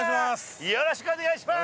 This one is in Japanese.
よろしくお願いします！